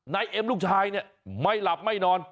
เอ็มลูกชายเนี่ยไม่หลับไม่นอน